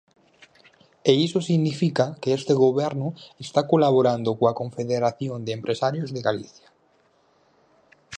E iso significa que este goberno está colaborando coa Confederación de Empresarios de Galicia.